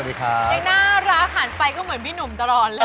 ยังน่ารักหันไปก็เหมือนพี่หนุ่มตลอดเลย